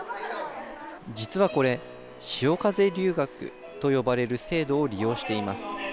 実はこれ、しおかぜ留学と呼ばれる制度を利用しています。